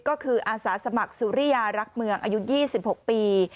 ก็คืออาสาสมัครสุริยารักเมืองอายุ๒๖ปี